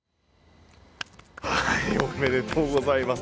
おめでとうございます。